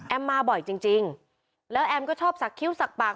มาบ่อยจริงจริงแล้วแอมก็ชอบสักคิ้วสักปาก